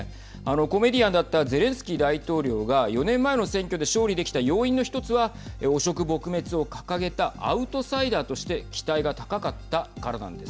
コメディアンだったゼレンスキー大統領が４年前の選挙で勝利できた要因の１つは汚職撲滅を掲げたアウトサイダーとして期待が高かったからなんです。